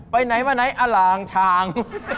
ไปไหนมาไหนอล่างทาง